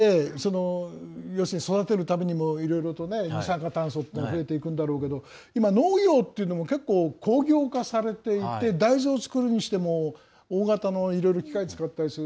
ただ１つ疑問があるんですけど牛のげっぷだけじゃなくて要するに、育てるためにもいろいろと二酸化炭素って増えていくんだろうけど今、農業っていうのも結構工業化されていて大豆を作るにしても大型のいろいろ機械を使ったりする。